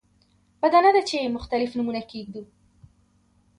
بده نه ده چې مختلف نومونه کېږدو.